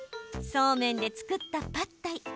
そうめんで作ったパッタイ。